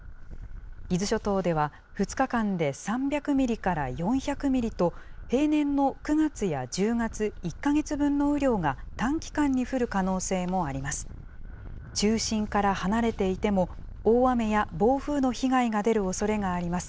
伊豆諸島では、２日間で３００ミリから４００ミリと、平年の９月や１０月１か月分の雨量が短期間に降る可能性もあります。